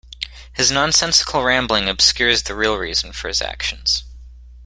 His nonsensical rambling obscures the real reason for his actions.